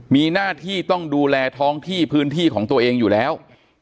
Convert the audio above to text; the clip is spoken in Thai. มีหน้าที่ต้องดูแลท้องที่พื้นที่ของตัวเองอยู่แล้ว